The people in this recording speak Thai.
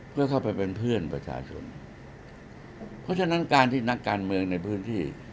เพื่อเข้าไปเป็นเพื่อนประชาชนเพราะฉะนั้นการที่นักการเมืองในพื้นที่